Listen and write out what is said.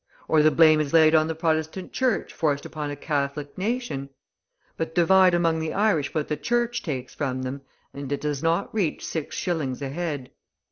Or the blame is laid on the Protestant Church forced upon a Catholic nation; but divide among the Irish what the Church takes from them, and it does not reach six shillings a head.